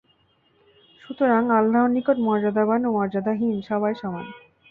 সুতরাং আল্লাহর নিকট মর্যাদাবান ও মর্যাদাহীন সবাই সমান।